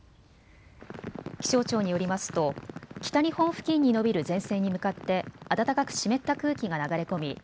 気象庁によりますと北日本付近に延びる前線に向かって暖かく湿った空気が流れ込み